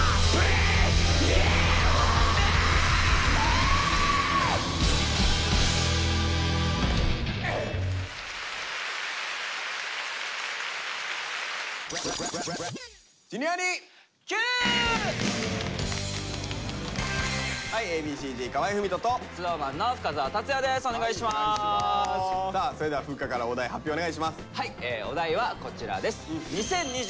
お題はこちらです。